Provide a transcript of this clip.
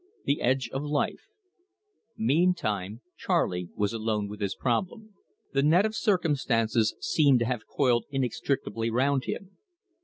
THE EDGE OF LIFE Meantime Charley was alone with his problem. The net of circumstances seemed to have coiled inextricably round him.